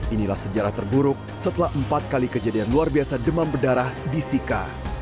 inilah sejarah terburuk setelah empat kali kejadian luar biasa demam berdarah di sika